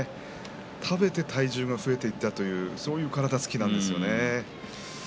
食べて体重が増えていったという体つきなんです。